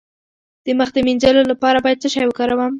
د مخ د مینځلو لپاره باید څه شی وکاروم؟